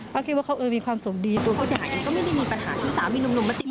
ก็คิดว่าเขาเออมีความสุขดีตัวผู้ชายก็ไม่ได้มีปัญหาชื่อสามีนุ่มมาติด